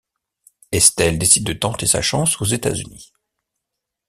Estelle décide de tenter sa chance aux États-Unis.